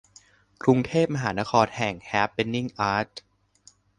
กรุงเทพ มหานครแห่งแฮปเพนนิ่งอาร์ต